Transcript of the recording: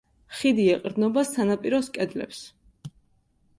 ხიდი ეყრდნობა სანაპიროს კედლებს.